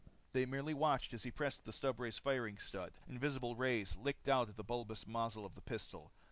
They merely watched as he pressed the stubray's firing stud. Invisible rays licked out of the bulbous muzzle of the pistol.